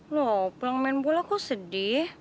loh pulang main bola kok sedih